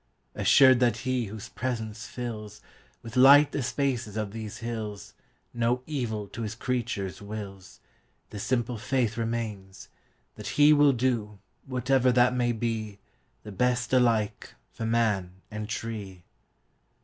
Assured that He whose presence fillsWith light the spaces of these hillsNo evil to His creatures wills, The simple faith remains, that HeWill do, whatever that may be, The best alike for man and tree.